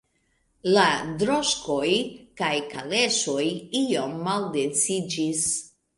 La droŝkoj kaj kaleŝoj iom maldensiĝis.